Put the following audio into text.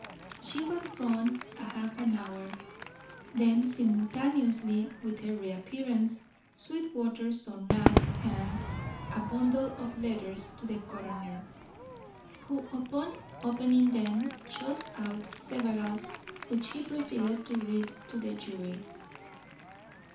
She was gone a half hour, then simultaneously with her reappearance, Sweetwater saw Knapp hand a bundle of letters to the coroner, who, upon opening them, chose out several which he proceeded to read to the jury.